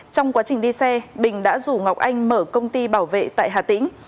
trong quá trình đi xe bình đã rủ ngọc anh mở công ty bảo vệ tại hà tĩnh